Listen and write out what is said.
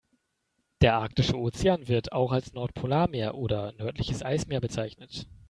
Der Arktische Ozean, wird auch als Nordpolarmeer oder nördliches Eismeer bezeichnet.